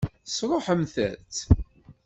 Tesṛuḥemt-tt?